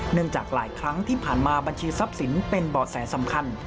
จากหลายครั้งที่ผ่านมาบัญชีทรัพย์สินเป็นเบาะแสสำคัญ